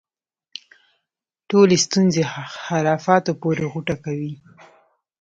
ټولې ستونزې خرافاتو پورې غوټه کوي.